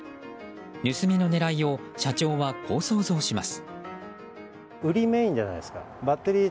盗みの狙いを社長はこう想像します。